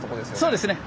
そうですね！